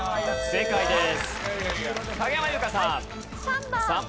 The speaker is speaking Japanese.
正解です。